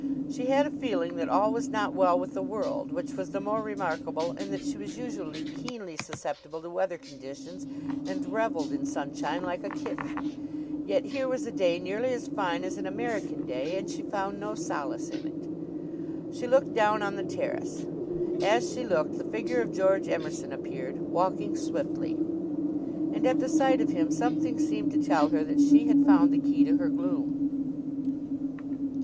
She had a feeling that all was not well with the world, which was the more remarkable in that she was usually keenly susceptible to weather conditions and reveled in sunshine like a kitten. Yet here was a day nearly as fine as an American day and she found no solace in it. She looked down on the terrace; as she looked the figure of George Emerson appeared, walking swiftly. And at the sight of him something seemed to tell her that she had found the key to her gloom.